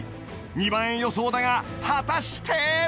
２万円予想だが果たして？